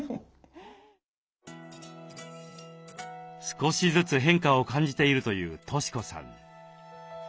少しずつ変化を感じているという俊子さん。